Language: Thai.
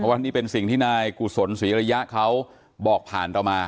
ว่านี่เป็นสิ่งที่นายกุศลศรีระยะเขาบอกผ่านเรามา